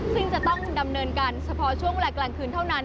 ซึ่งจะต้องดำเนินการเฉพาะช่วงเวลากลางคืนเท่านั้น